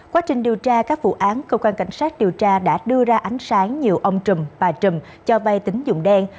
quá trình điều tra các vụ án cơ quan cảnh sát điều tra đã đưa ra ánh sáng nhiều ông trầm bà trùm cho vai tín dụng đen